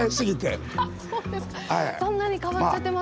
そんなに変わっちゃってますか。